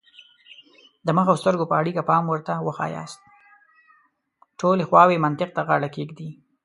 ټولې خواوې منطق ته غاړه کېږدي.